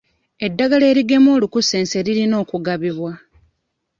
Eddagala erigema olunkusense lirina okugabibwa.